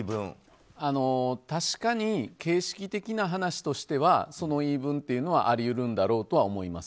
確かに形式的な話としてはその言い分というのはあり得るんだろうとは思います。